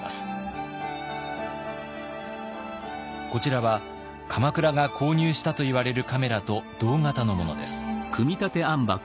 こちらは鎌倉が購入したといわれるカメラと同型のものです。